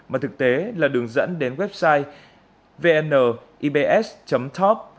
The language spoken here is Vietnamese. mà thực tế là đường dẫn đến website vnibs top